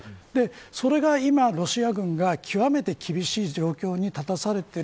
それが今、ロシア軍が極めて厳しい状況に立たされている